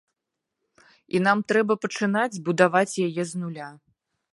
І нам трэба пачынаць будаваць яе з нуля.